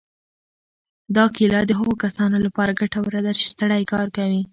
دا کیله د هغو کسانو لپاره ګټوره ده چې ستړی کار کوي.